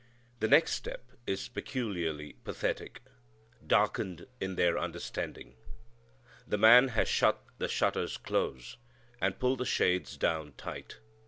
The next step is peculiarly pathetic "darkened in their understanding." The man has shut the shutters close, and pulled the shades down tight.